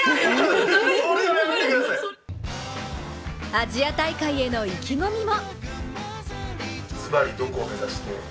アジア大会への意気込みも。